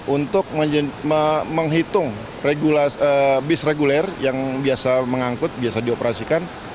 untuk menghitung bis reguler yang biasa mengangkut biasa dioperasikan